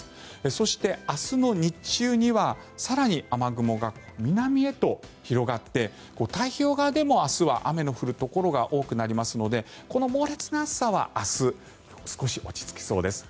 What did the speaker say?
そして明日の日中には更に雨雲が南へと広がって太平洋側でも明日は雨の降るところが多くなりますのでこの猛烈な暑さは明日、少し落ち着きそうです。